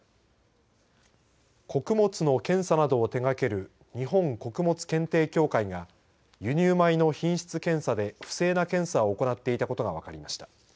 穀物の検査などを手がける日本穀物検定協会が輸入米の品質検査で不正な検査を行っていたことが分かりました